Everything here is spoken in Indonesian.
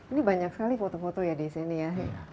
ini banyak sekali foto foto ya di sini ya